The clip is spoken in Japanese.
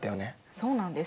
そうなんです。